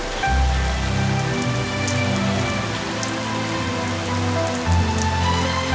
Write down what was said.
wah hebat bunda dari